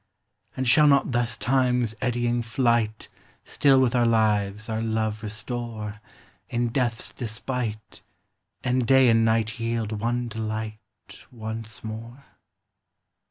And shall not thus time's eddying flight Still with our lives our love restore In death's despite, And day and night yield one delight once more